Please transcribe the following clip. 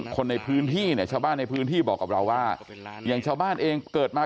ส่วนสุดทางคนในพื้นที่บอกกับเราว่าอย่างชาวบ้านเองเกิดมา